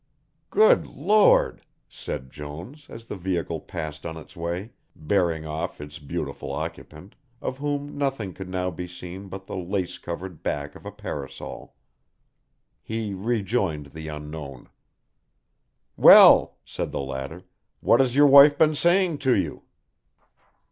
"Good Lord!" said Jones, as the vehicle passed on its way, bearing off its beautiful occupant, of whom nothing could now be seen but the lace covered back of a parasol. He rejoined the unknown. "Well," said the latter, "what has your wife been saying to you?"